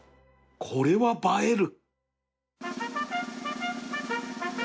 これは映える